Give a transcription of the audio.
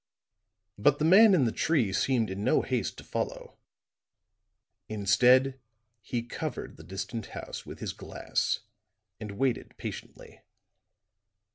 But the man in the tree seemed in no haste to follow; instead he covered the distant house with his glass and waited patiently.